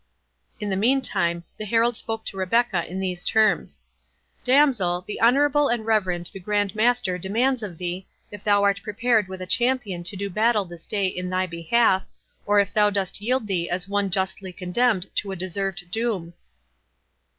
In the meantime, the herald spoke to Rebecca in these terms:—"Damsel, the Honourable and Reverend the Grand Master demands of thee, if thou art prepared with a champion to do battle this day in thy behalf, or if thou dost yield thee as one justly condemned to a deserved doom?"